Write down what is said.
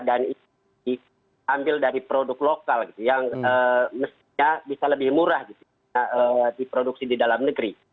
dan ini diambil dari produk lokal yang mestinya bisa lebih murah diproduksi di dalam negeri